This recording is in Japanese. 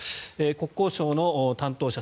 国交省の担当者